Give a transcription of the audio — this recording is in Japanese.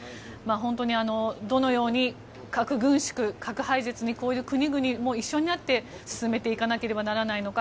本当にどのように核軍縮、核廃絶にこういう国々も、一緒になって進めていかなければならないのか。